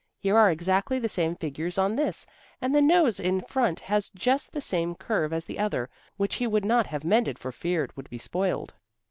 Here are exactly the same figures on this, and the nose in front has just the same curve as the other, which he would not have mended for fear it would be spoiled."